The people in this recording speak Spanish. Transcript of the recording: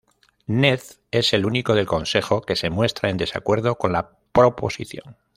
Ned es el único del Consejo que se muestra en desacuerdo con la proposición.